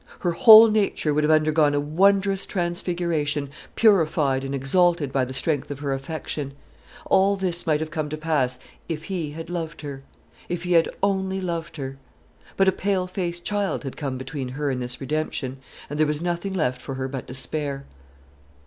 Her whole nature would have undergone a wondrous transfiguration, purified and exalted by the strength of her affection. All this might have come to pass if he had loved her, if he had only loved her. But a pale faced child had come between her and this redemption; and there was nothing left for her but despair.